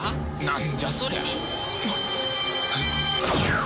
なんじゃそりゃ。